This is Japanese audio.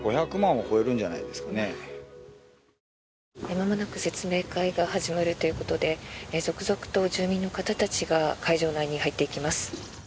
まもなく説明会が始まるということで続々と住民の方たちが会場内に入っていきます。